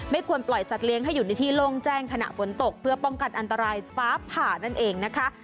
ควรปล่อยสัตว์เลี้ยงให้อยู่ในที่โล่งแจ้งขณะฝนตกเพื่อป้องกันอันตรายฟ้าผ่านั่นเองนะคะ